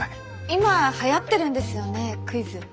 今はやってるんですよねクイズ。